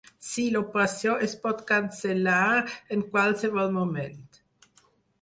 Sí, l'operació es pot cancel·lar en qualsevol moment.